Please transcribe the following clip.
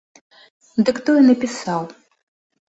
Дык той і напісаў.